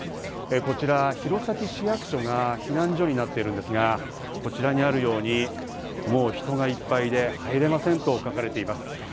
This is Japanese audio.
こちら弘前市役所が避難所になっているんですが、こちらにあるように、もう人がいっぱいで入れませんと書かれています。